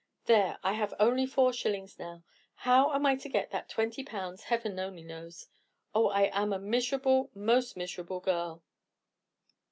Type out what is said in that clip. "There, I have only four shillings now. How I am to get that twenty pounds Heaven only knows. Oh, I am a miserable, most miserable girl!"